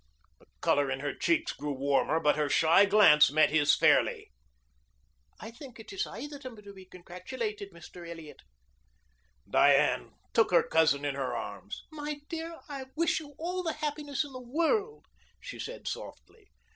The color in her cheeks grew warmer, but her shy glance met his fairly. "I think it is I that am to be congratulated, Mr. Elliot." Diane took her cousin in her arms. "My dear, I wish you all the happiness in the world," she said softly.